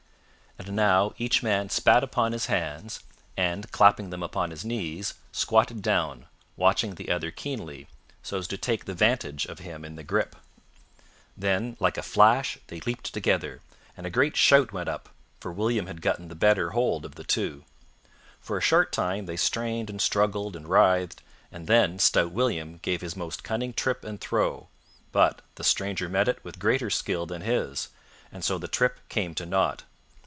And now each man spat upon his hands and, clapping them upon his knees, squatted down, watching the other keenly, so as to take the vantage of him in the grip. Then like a flash they leaped together, and a great shout went up, for William had gotten the better hold of the two. For a short time they strained and struggled and writhed, and then stout William gave his most cunning trip and throw, but the stranger met it with greater skill than his, and so the trip came to nought.